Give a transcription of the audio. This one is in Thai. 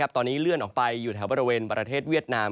ตอนนี้เลื่อนออกไปอยู่แถวบริเวณประเทศเวียดนาม